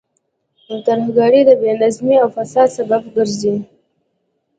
ترهګرۍ د بې نظمۍ او فساد سبب ګرځي.